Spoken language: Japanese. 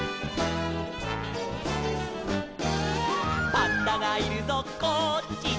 「パンダがいるぞこっちだ」